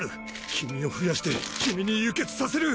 君を増やして君に輸血させる！